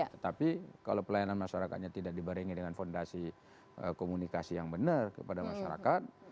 tetapi kalau pelayanan masyarakatnya tidak dibarengi dengan fondasi komunikasi yang benar kepada masyarakat